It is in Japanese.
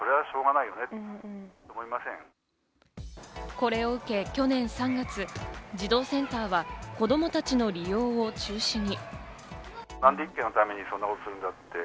これを受け去年３月、児童センターは子供たちの利用を中止に。